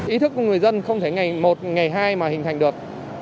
ý thức của người dân không thể ngày một ngày hai mà hình thành được